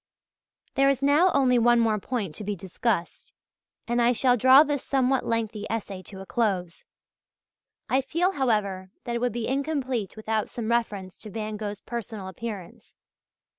There is now only one more point to be discussed, and I shall draw this somewhat lengthy essay to a close. I feel, however, that it would be incomplete without some reference to Van Gogh's personal appearance.